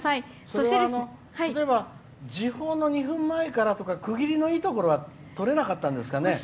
それは時報の２分前からとか区切りのいいところは取れなかったんですかね。